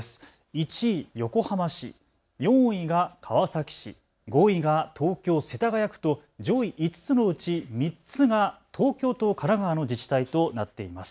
１位横浜市、４位が川崎市、５位が東京世田谷区と上位５つのうち３つが東京と神奈川の自治体となっています。